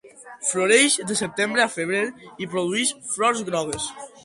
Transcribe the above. Floreix de setembre a febrer i produeix flors grogues.